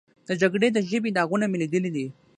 د جګړې د ژبې داغونه مې لیدلي دي.